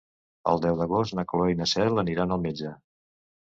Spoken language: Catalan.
El deu d'agost na Cloè i na Cel aniran al metge.